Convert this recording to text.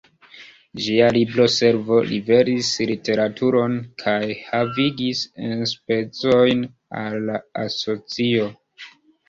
Ĝia Libro-Servo liveris literaturon kaj havigis enspezojn al la asocio.